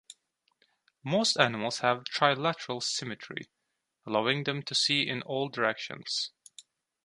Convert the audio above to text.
Most animals have trilateral symmetry, allowing them to see in all directions.